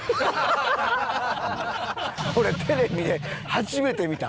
俺テレビで初めて見た。